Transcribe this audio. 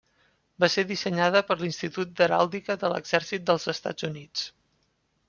Va ser dissenyada per l'Institut d'Heràldica de l'Exèrcit dels Estats Units.